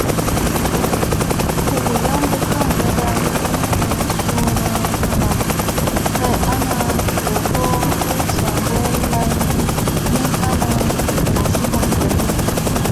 Hoɗ yamɓa kaŋgada ni maŋ suuna halaŋ, kay ana googo u saa ŋgol lay ni, min ana asi hum tasia.